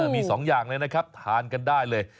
มี๒อย่างเลยนะครับทานกันได้เลย